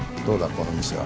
この店は。